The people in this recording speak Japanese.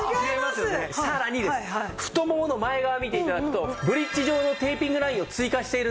さらにです太ももの前側見て頂くとブリッジ状のテーピングラインを追加しているんですね。